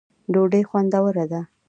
ډوډۍ خوندوره ده.